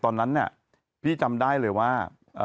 ตอนนั้นพี่จำได้เลยว่า